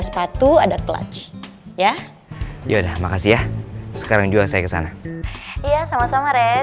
sepatu ada clutch ya yaudah makasih ya sekarang juga saya kesana iya sama sama ren